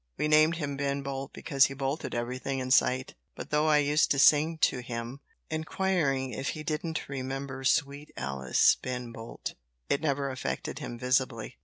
We named him Ben Bolt because he bolted everything in sight, but though I used to sing to him, inquiring if he didn't 'remember sweet Alice, Ben Bolt,' it never affected him visibly."